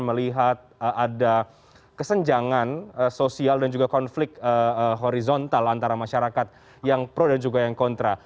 melihat ada kesenjangan sosial dan juga konflik horizontal antara masyarakat yang pro dan juga yang kontra